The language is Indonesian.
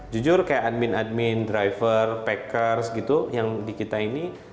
jujur kayak admin admin driver pakers gitu yang di kita ini